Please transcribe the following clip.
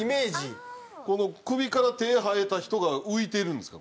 この首から手生えた人が浮いてるんですか？